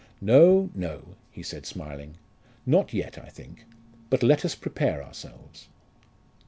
"No, no!" he said smiling. "Not yet, I think. But let us prepare ourselves."